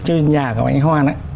như nhà của anh hoan ấy